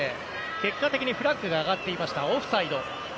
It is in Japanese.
結果的にフラッグが上がっていてオフサイド。